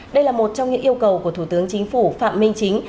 đây là một trong những yêu cầu của thủ tướng chính phủ phạm minh chính